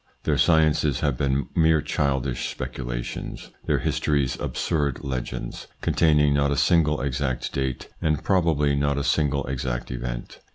Their sciences have been mere childish speculations ; their histories absurd legends, containing not a single exact date and probably not a single exact event.